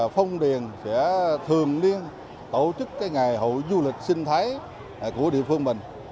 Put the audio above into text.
phong điền sẽ thường liên tổ chức cái ngày hội du lịch sinh thái của địa phương mình